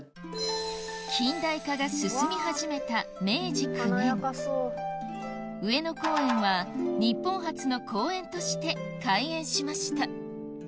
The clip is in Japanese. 近代化が進み始めた明治９年上野公園は日本初の公園として開園しました